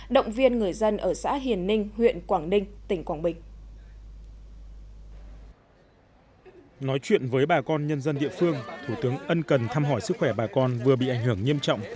động viên người dân ở xã hiền ninh huyện quảng ninh tỉnh quảng bình